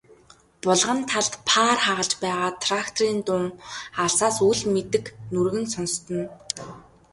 Булган талд паар хагалж байгаа тракторын дуун алсаас үл мэдэг нүргэн сонстоно.